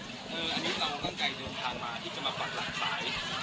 อันนี้เราตั้งใจเดินทางมาที่จะมาปักหลักสาย